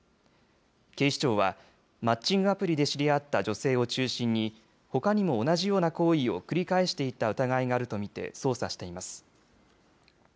警視庁は、マッチングアプリで知り合った女性を中心に、ほかにも同じような行為を繰り返していた疑いがあると見て捜査しています。